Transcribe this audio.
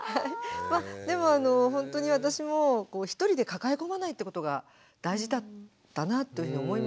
でもほんとに私もひとりで抱え込まないってことが大事だったなというふうに思います。